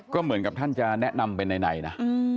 ก็เหมือนกับท่านจะแนะนำเป็นในนะ